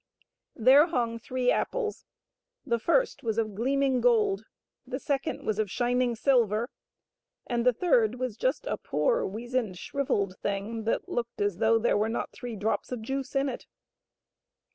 There hung three apples ; the first was of gleaming gold, the second was of shining silver, and the third was just a poor, weazened, shrivelled thing, that looked as though there were not three drops of juice in it.